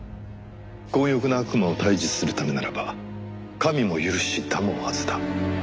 「強欲な悪魔を退治するためならば神も許し給うはずだ」。